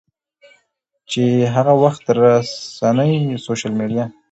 چې هغه وخت رسنۍ، سوشل میډیا